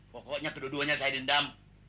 pokoknya kedua duanya saya dendam